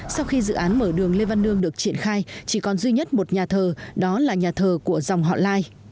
sau khi dự án mở đường lê văn lương được triển khai chỉ còn duy nhất một nhà thờ đó là nhà thờ của dòng họ lai